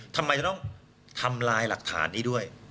ทำไมจะต้องทำลายหลักฐานนี้ด้วย